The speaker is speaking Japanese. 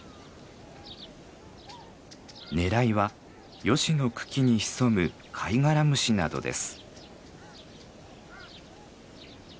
狙いはヨシの茎に潜むカイガラムシなどです。